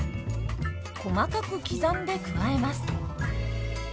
細かく刻んで加えます。